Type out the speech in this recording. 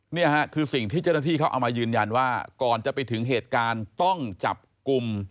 นี่ค่ะคือสิ่งที่เจ้าหน้าที่เขาเอามายืนยันว่าก่อนจะไปถึงเหตุการณ์ต้องจับกลุ่ม